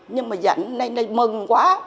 nhưng mà dặn nên là mừng quá